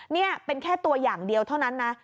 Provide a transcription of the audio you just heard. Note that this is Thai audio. นี่เป็นแค่ตัวอย่างเดียวเท่านั้นนะ